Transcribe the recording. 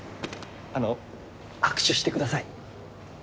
あのう握手してください。